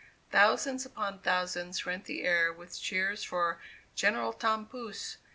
Thousands upon thousands rent the air with cheers for "General Tom Pouce."